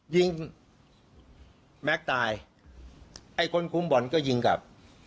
ยิงแม็กซ์ตายไอ้คนคุ้มบ่อนก็ยิงกลับ